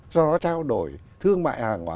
do đó trao đổi thương mại hàng hóa